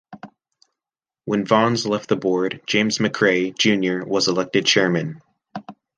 When Vaughns left the board, James McCray, Junior was elected chairman.